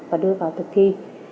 và đưa vào thực thi